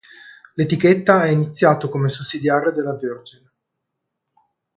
L'etichetta ha iniziato come sussidiaria della Virgin.